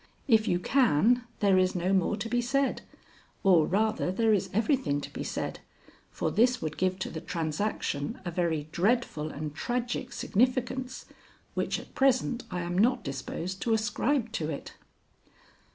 If you can, there is no more to be said, or, rather, there is everything to be said, for this would give to the transaction a very dreadful and tragic significance which at present I am not disposed to ascribe to it."